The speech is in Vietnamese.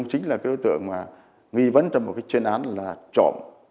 sinh năm hai nghìn bốn